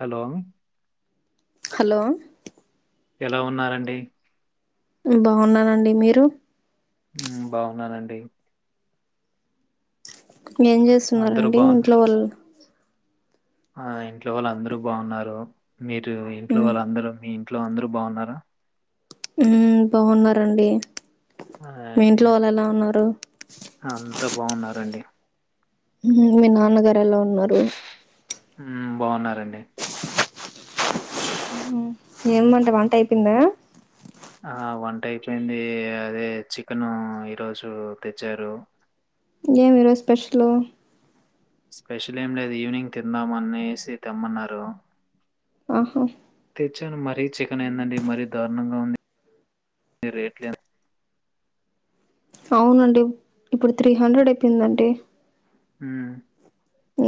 Hello hello ఎలా ఉన్నారండి బాగున్నానండి మీరు బాగున్నానండి ఏం అందరూ చేస్తున్నారండి బాగున్నా ఇంట్లో వాళ్ళు ఆ ఇంట్లో వాళ్ళు అందరూ బాగున్నారు మీరు ఇంట్లో మ్మ్ వాళ్ళ అందరం మీ ఇట్లో అందరు బాగున్నారా ఉ బాగున్నారండి మీ ఇంట్లో అ వాళ్ళు ఎలా ఉన్నారు అంతా బాగున్నారండి మీ నాన్నగారు ఎలా ఉన్నారు బాగున్నారండి ఏమ్మంట వంట అయిపోయిందా ఆ వంట అయిపోయింది అదే చికెన్ ఈరోజు తెచ్చారు ఏమి ఈరోజు స్పెషల్ స్పెషల్ ఏం లేదు ఈవినింగ్ తిందామనేసి తెమ్మన్నారు ఆహా చన్ మరీ చికెన్ ఏందండి మరీ దారుణంగా ఉంది రేట్లు అవునండి ఇప్పుడు త్రీ హండ్రెడ్ అయిపోయిందండి హ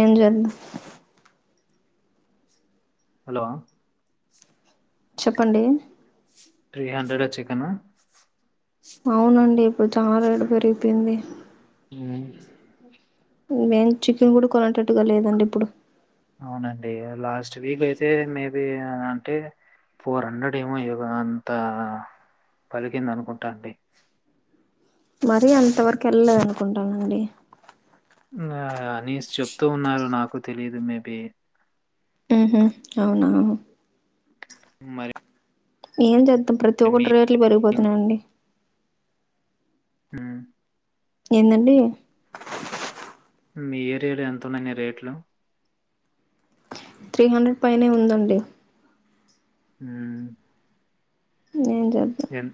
ఏం జెద్ హలో చెప్పండి త్రీ హండ్రెడ్ అచిక్కెను అవునండి ఇప్పుడు చాలా రేటు పెరిగిపోయింది అ వేం చికెన్ కూడా కొనటట్టుగా లేదండి ఇప్పుడు అవునండి లాస్ట్ వీక్ అయితే మేబీ అంటే ఫోర్ హండ్రెడ్ ఏమో అంత పలికింద అనుకుంటా అండి మరీ అంత వరకు ఎళ్లలేదు అనుకుంటానండి ఆ కనీష్ చెప్తూ ఉన్నారు నాకు నాకు తెలీదు మేబీ అవునావు మరి ఏం చెద్ద ప్రతి మీ ఒకటి రేట్లు పెరిగిపోతున్ అనండి హ ఏందండి మీ ఏరియాలో ఎంతున్నాయండి రేట్లు త్రీ హండ్రెడ్ పైనే ఉందండి హ ఏంట ఎం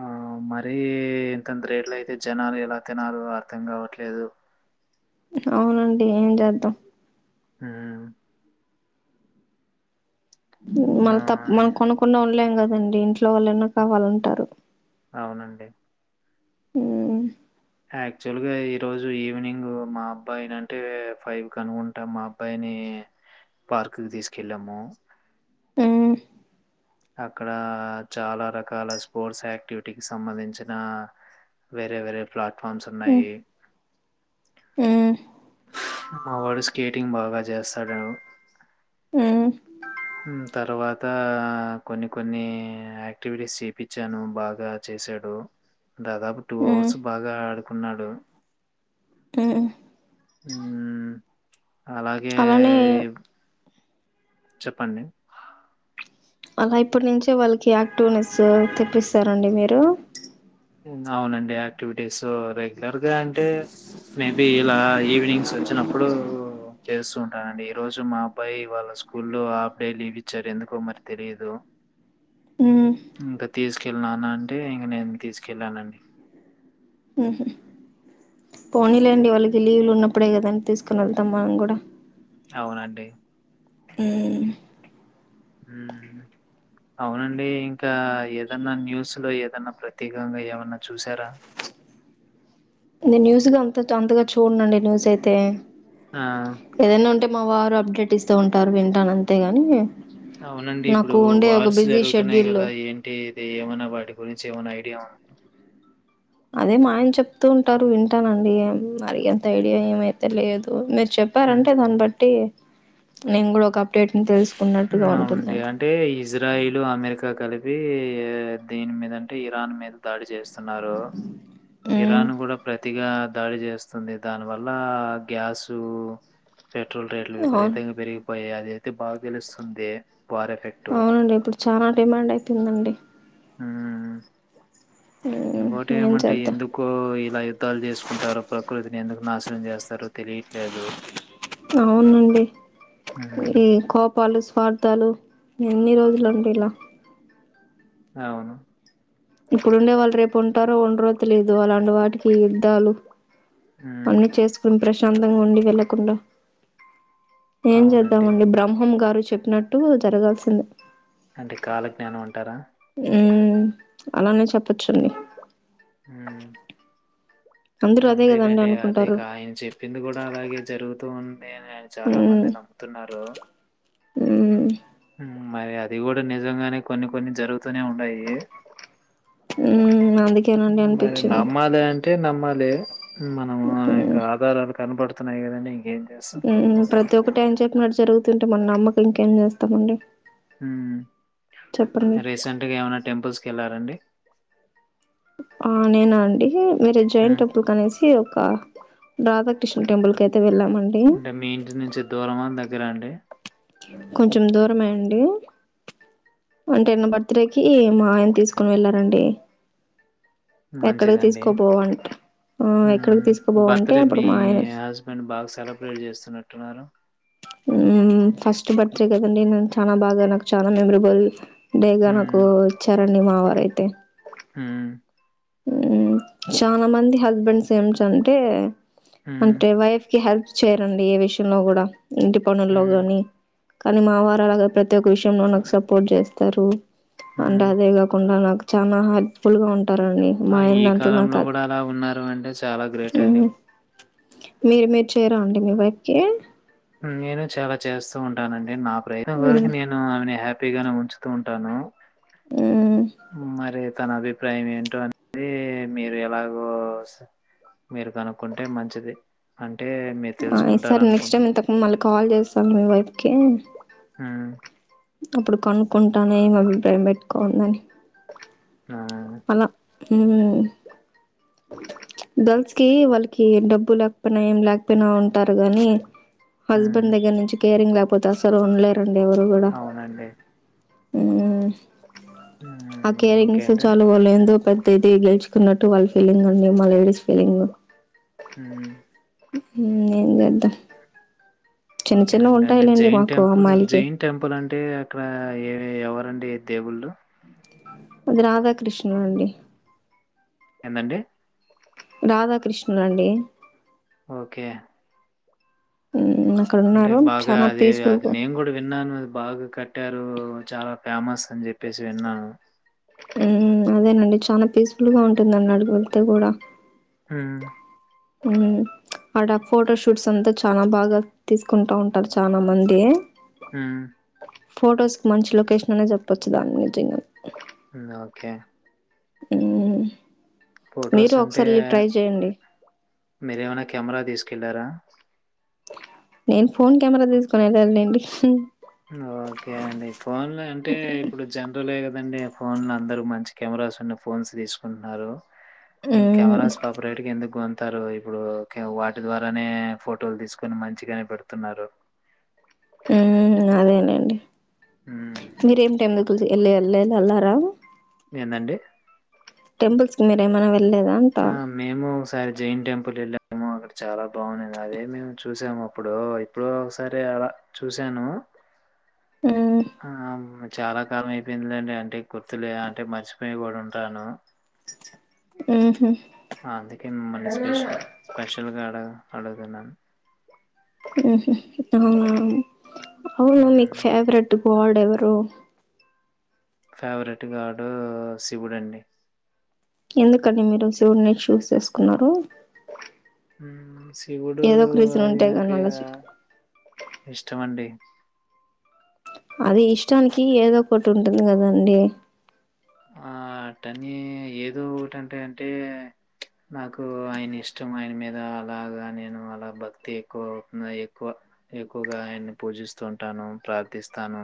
ఆ మరీ ఇంతింత రేట్లు అయితే జనాలు ఎలా తినలో అర్థం కావట్లేదు అవునండి ఏం చేద్దాం హ మళ్ తప్ప ఆహ్, మనం కొనకుండా ఉండలేం కదా [unintelligible] లో వాలనా కావాలంటారు అవునండి. ఆ యాక్చువల్ గా ఈరోోజు ఈవనింగ్ మా అబ్బాయిని అంటే ఫైవ్ కనుకుంటా మా అబ్బాయిని పార్క్కిి తీసుకెళ్ళాము మ్మ్ అక్కడ చాలా రకాల స్పోర్ట్స్ యాక్టివిటీకిి సంబంధించిన వేరే వేరే ప్లాట్ పఫామ్స్ మ్మ్ ఉన్నాయి మ్మ్ మావడు స్కేటింగ్ బాగా చేస్తాడు మ్మ్ తర్వాత కొన్ని కొన్ని యాక్టివిటీస్ చేపించాను బాగా చేశాడు దాదాపు టూ మ్మ్ అవర్స్ బాగా ఆడుకున్నాడు మ్మ్ అలాగే అలానే చెప్పండి అలా ఇప్పటి నుంచే వాళ్ళకి యాక్టివ్నెస్ తెప్పిస్తారంండి మీరు అవునండి యాక్టివిటీస్ రెగ్యులర్ గా అంటే మేబి ఇలా ఈవినింగ్స్ వచ్చినప్పుడు చేస్తూ ఉంటానండి ఈ రోజు మా అబ్బాయి వాళ్ళ స్కూల్లో హాఫ్ డే లీవ్ ఇచ్చారు ఎందుకో మరి తెలీదు మ్మ్ ఇంకా తీసుకెళ్ నానా అంటే ఇంక నే తీసుకె కెలనం ఉహ పోనీలేండి వాళ్ళకి లీవులు ఉన్నప్పుడే కదంని తీసుకుని వెళ్తాం మనం కూడా అవునండి ఉమ్మ్ అవునండి ఇంకా ఏదన్నా న్యూస్ లో ఏదన్నా ప్రత్యేకంగా ఏమన్నా చూసారా న్యూస్ గా అంత అంతగా చూడండిండి న్యూస్ అయితే ఆ ఏదైనా ఉంటే మా వారు అప్డేట్ ఇస్తూ ఉంటారు వింటాను అంతేగాని అవునండి ఇప్పుడు నాకు ఉండే ఒక వార్స్ బిజీ జరుగుతున్నాయి షెడ్యూల్లో కదా ఏంటి ఇది ఏమైనా వాటి గురించి ఏమన్నా ఐ డియాన్ అదే మా ఆయన చెప్తూ ఉంటారు వింటానండి మరి ఎంత హ్మ్. ఐడియా ఏమి తేలియదు హ్మ్. చెప్పారంటే [unintelligible] బట్టి నేను కూడా ఒక అప్డేట్ ని తెలుస్ హు అవునండి అంటే ఇజ్రాయిల్ అమెరికా కలి యీ దేని మీద అంటే ఇరాన్ మీద దాడి చేస్తా ఉన్నారు మ్మ్ ఇరాన్ కూడా ప్రతిగా దాడి చేస్తుంది దాని వల్ల గ్యాసు ద పెట్రోల్ రేట్లు అవును విపరీతంగా పెరిగిపోయాయి దైతే బాగ్ తెలుస్తుందే అవునండి ఇప్పుడు చాలా డిమాండ్ అయితుందండి ఉమ్మ్మ్ ఇంకోటి మ్మ్ ఏం ఏమంటే చేద్దాం ఎందుకు ఇలా యుద్ధాలు చేసుకుంటారు ప్రకృతి నేందుకు నాశనం చేస్తారు తెలియిట్లేదు అవునండి ఈ కోపాలు స్వాట్ తలు ఎన్ని రోజులు ఉంటే ఇలా అవును ఇప్పుడ్ ఉండేవారు వాళ్ రేపు ఉంటారో ఉండరో తెలిదు అలాంటి వాటికి యుద్దలు హ్మ్. అన్నీ చేసుకుని ప్రష్ చందగా ఉండి వెళ్ళకుండా ఏం అవునండి. చేద్దామండి బ్రహ్మం గారు చెప్పినట్టు జరగాల్సిందే అంటే కాలజ్ఞానం అంటారా ఉమ్ అలానే చేపచ్చు అండి మ్ అందరూ అదే కదండి అంతేలెండి అనుకుంటారు అదేగా ఆయన చెప్పింది కూడా అలాగే జరుగుతూ ఉ నేనా చాలా మంది ఉమ్ నమ్ముతున్నారు ఉమ్ మ్మ్ మరి అది కూడా నిజంగానే కొన్ని కొన్ని జరుగు తూనే ఉండాయి ఉమ్ అందుకేనండి మరి అనిపించింది నమ్మాలి అంటే నమ్మాలి మనము ఇంకా ఆధారాలు కనపడుతున్నాయి కాదండి మ్మ్ ప్రతి ఒక్కటి ఏం చెప్పిన అది జరుగుతుంది మన నమ్మక ఇంకేం చేస్తామండి మ్మ్ చెప్పండి రీసెంట్గా ఏమైనా టెంపుల్సకి వెళ్లరండి ఆ నేనా అండి ఇడే జైన్ హ్మ్. టెంపుల్సకి అనేసి ఒక రాధాకృష్ణ టెంపుల్కాయ్ అంటే మీ ఇంటి నుంచి దూరమా దగ్గ గ్గరండీ కొంచం దూరమేండి అంటే నా బర్త్డేకి మా ఆయన తీసుకొని వెళ్ళారు అండి మంచిదండి ఆ, ఎక్కడికి మ్మ్ తీసుకుపోవంటే బర్త్డే అప్పుడు మీ మా ఆయన హస్బెండ్ బాగా సెలబ్రేట్ చేస్తున్నట్టున్నారు మ్మ్ ఫస్ట్ బర్త్డే కదండి నాకు చాలా బాగా నాకు చాలా మెమరబుల్ డేగా నాకు హ్మ్. ఇచ్చారు అండి అదే మా వారు అయితే మ్మ్ మ్మ్ చాలా మంది హస్బెండ్స్ ఏమిటంటే హ్మ్. అంటే వైఫ్ కి హస్బ్ చేయరాండి ఏ విషయంలో కూడా ఇంటి పనుల్లో హ్మ్. గాని కానీ మా వారు అలా కాదు ప్రతి ఒక్క విషయంలో నాకు సపోర్ట్ చేస్తారు అండ్ హ్మ్. అదేగాకుండా నాకు చానా హెల్ప్ ఫుల్ గా ఉంటారండి ఆ మా ఆయన ఈ దాంట్లో నాకు కాలంలో అది కూడా అలా ఉన్నారు అంటే చాల గ్రేట్ అండి మ్మ్ మీరు మీరు చేయరా అండి మీ వైఫ్కీ నేను చాలా చేస్తూ ఉంటానండి నాకు నేను ఊర్క మ్మ్ నేను నే హాప్ హ్యాపీ ఉంచుతూ ఉంటాను మ్మ్ మరి తన అభిప్రాయం ఏంటో అనేది మీరు ఎలాగో మీరు కనుక్కుంటే మంచిది అం అంటే మీరు ఆ తెలుసుకుంటారు ఈసారి నెక్స్ట్ అనుకుంటన టైం ఇంతకు మళ్ళీ కాల్ చేస్తాను మీ వైఫ్కి హ్మ్ అప్పుడు కనుక్కుంటానే ఏం అభిప్రాయం పెట్టుకోందని ఆ! అల్ల హ్మ్ గర్ల్స్ కి వాళ్ళకి డబ్బు లేకపోయినా ఏం లేకపోయినా ఉంటారు గానీ. హ్మ్. హస్బెండ్ దగ్గర నుంచి కేరింగ్ పోత అసలు ఉండలేరు డి ఎవరు కూడ అవునండి. హ్మ్ ఆ హ్మ్. కేరింగ్స్ ఇంకేంటి? వాళ్లు వాల్ ఎందొ పెద్ దిది గెలుచుకున్నట్టు వాళ్ళ ఫీలింగ్ అండి మా లేడీస్ ఫీలింగు హుం ఇంగేందొద్దా ఓకేనండి అంటే జైన్ టెంపుల్ అమ్మాయిలకి జైన్ టెంపుల్ అంటే అక్కడ ఏ ఎవ రండి దేవుళ్ళు అది రాధాకృష్ణ అండి ఎందండి రాధాకృష్ణుడు అండి ఓకే మ్మ్ అక్కడ అంటే ఉన్నారు బాగా చాలా అదే పీస్ఫుల్ అది గా నేను కూడా విన్నాను బాగా కట్టా రు చాలా ఫేమస్ అని చెప్పేసి విన్నాను మ్మ్ హ్మ్ అదేనండి చాలా పీస్ఫుల్ గా ఉంటుందన్నాడు బుద్దు కూడా మ్ హ్మ్ మ్మ్ ఆడ ఫొటోషూట్స్ అంతా చానా బాగా తీసుకుంటా ఉంటారు చానా మంది. హ్మ్మ్ ఫొటోస్ కి మంచి లొకేషన్ అనే చెప్పొచ్చు దాని గురించి ఇంగ మ్ హ్మ్ ఓకే హ్మ్మ్ ఫొటోస్ అంటే మీరేమన్న కెమెరా తీస్ క్కెలారా నేను ఫోన్ కెమెరా తీసుకునే వెళ్లాను లేండి. హ్మ్ హ్మ్ ఓకే అండి ఫోన్లు అంటే ఇప్పుడు జనరలే కద్ దండి. ఆ ఫోన్ లో అందరు మంచి కెమెరాస్ ఉన్న ఫోన్స్ తీసుకుంటున్నారు. మ్మ్. ఇంకెమెరాస్ పాప్ రైటింగ్ ఎందుకు అం త్తరు ఇప్పుడు క్కేవ్ వాటి ద్వారానే ఫోటోలు తీసుకొని, మంచిగాన్ పెడుతున్నారు. హ్మ్ అదేనండి హ్మ్. ప్చ్ మీరేంటేందుక్లు దీ ఇల్ లేల్లే లెల్లార ఎందండి టెంపుల్స్ కి మీరేమన్న వెళ్లేద ఆ మేము ఒకసారి జైన్ టెంపుల్ వెళ్ళ ఏమో అక్కడ చాలా బాగున్నింది అదే మేము చూసాము అప్పుడు ఇప్పుడు ఒకసారి అలా చూశాను. మ్మ్. ఆ మే చాలా కారణం అయిపోయిందిండి అంటే గుర్తులే అంటే మర్చిపోయి కూడా ఉంటాను ఆహ అందుకే మిమ్మల్ని స్పెషల్ స్పెషల్గాడ అడుద న ఇ అవును మీకు హ్మ్. ఫేవరెట్ కోడెవరు ఫేవరెట్ గాార్డు శివుడండి ఎందుకండి మీరు శివుడిని చూస్ చేసుకున్నారు శివుడు ఏదో ఒక రీజన్ అది ఉంటాయి కానీ నాకు అలా చే ఇష్టమ అండి అది ఇష్టానికి ఏదో ఒకటి ఉంటుంది కదండి ఆ టని ఏదో ఒకటింటే అంటే నాకు ఆయన ఇష్టం ఆయన మీద అలాగా నేను అలా భక్తి ఎక్కువవు ఎక్కువ ఎక్కువగా ఆయన్ని పూజిస్తూ ఉంటాను ప్రార్థిస్తాను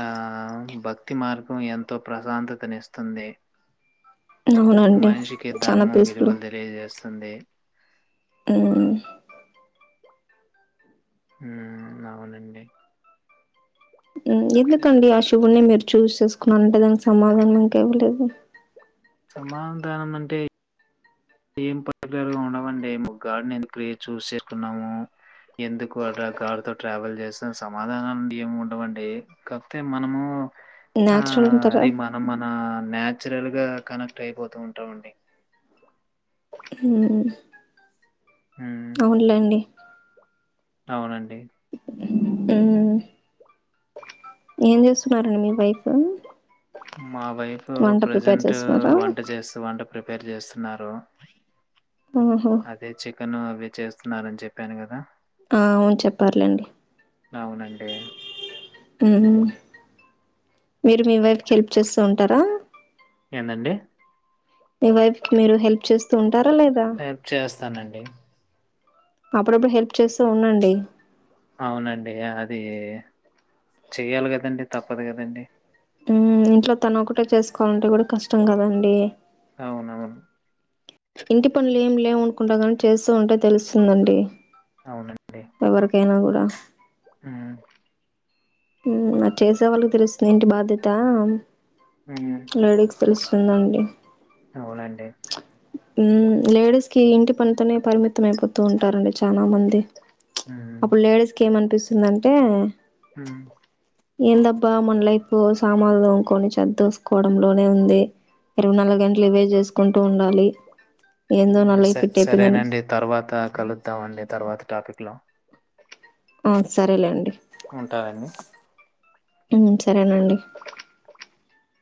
ఆ బ భక్తి మార్గం ఎంతో ప్రశాంతతనిస్తుంది అవునండి మనిషికి చాలా ధర్మం పీస్ఫుల్ విలువలు తెలియజేస్తుంది మ్మ్ ఉ అవునండి ఎందుకండి ఆ శువు్ణే మీరు చూస్ చేసుకున్నా అంటే దానికి సమాధానం ఇంక ఇవ్వలేదు సమాన దానం అంటే ఏం పర్టికులర్ గా ఉండవండి ము గగాడిని ఎందుకు చూస్ చేసుకున్నాము ఎందుకు గాడితో ట్రావెల్ చేస్తున్న సమాధానాలు ఏమి ఉండవండి కాకపోతే మనము ఆ న్యాచురల్ అంటారా అది మన మన నాన్చురల్ గా కనెక్ట్ అయిపోతూ ఉంటాంమండి హ్మ్మ్ హ్మ్. అవునులేండి అవునండి ఏం చేస్తున్నారండి మీ వైఫు మా వైఫు ప్రజెంట్ చేస్తున్నారా వంట చేస్త వంట ప్రిపేర్ చేస్తున్నారు ఓహో అదే చికన్ అది చేస్తున్నారని చెప్పాను కదా ఆ అవును చెప్పర్లేండి అవునండి ఉమ్ మీరు మీ వైఫ్కి హెల్ప్ చేస్తూ ఉంటారా ఏందండి మీ వైఫ్ కి మీరు హెల్ప్ చేస్తూం టారా లేదా తానండి అప్పుడప్పుడు హెల్ప్ చేస్తూ ఉండండి అవునండి అది చెయ్యాలి కదండి తప్పదు కదండి ఉమ్మ్ ఇంట్లో తను ఒకటే చేసుకోవాలంటే కూడా కష్టం కదండి అవునవును ఇంటి పనులు ఏం లేవునుకుంటాగానీ చేస్తూ ఉంటే తెలుస్తుందండి అవునం [unintelligible] ఎవరికైనా కూ [unintelligible] ఉమ్ [inaudible] అది చేసే వాళ్ళకి తెలుస్తుంది ఇంటి బాధ్యత హ్మ్. లేడీస్ ప్రె [unintelligible] ఉందండి అవునండి లేడీస్ కి ఇంటి పనితోనే పరిమితం అయిపోతూ ఉంటారండి చానా మంది హ్మ్. అప్పుడు లేేడీస్కేమన్ పిస్తుందంటే హుమ్ ఏందబ్బా మన లైఫ్ లో సామాన్లు తోముకుని చెద్దోసుకొని కోవడంలోనే ఉంది ఇరవై నాలుగు గంటలు ఇవే చేసుకుంటూ ఉండాలి ఏందో నా మ్ స లైఫ్ ఇట్టయిపోయిందని సరేనండి తర్వాత కలుద్దాండి తర్వాత టాపిక్ హలో ఆ సరేలేండి ఉంటానండి. ఉమ్ సరేనండి.